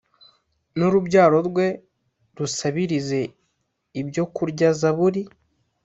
N’urubyaro rwe rusabirize ibyo kurya Zaburi